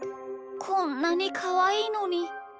こんなにかわいいのに。